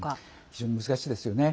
非常に難しいですよね。